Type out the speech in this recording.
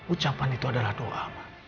ucapan itu adalah doa